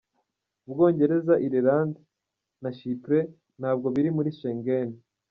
Ubwongereza, Ireland na Chipres ntabwo biri muri Schengen.